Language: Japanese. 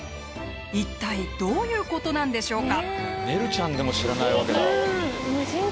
一体どういうことなんでしょうか？